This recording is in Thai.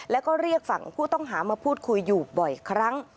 แล้วก็เรียกฝั่งผู้ต้องหามาพูดคุยอยู่บ่อยครั้ง